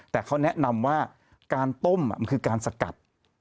แต่เขาแนะนำว่าการต้มคือการสกัด